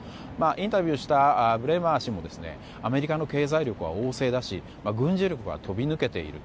インタビューをしたブレマー氏もアメリカの経済力は旺盛だし軍事力は飛び抜けている。